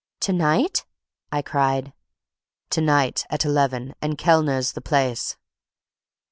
"To night?" I cried. "To night at eleven, and Kellner's the place.